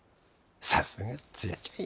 さすがツヤちゃんや。